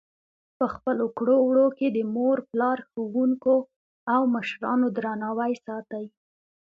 په خپلو کړو وړو کې د مور پلار، ښوونکو او مشرانو درناوی ساتي.